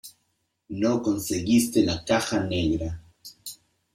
no conseguiste la caja negra .